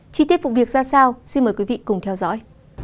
chi tiết vụ việc ra sao xin mời quý vị cùng theo dõi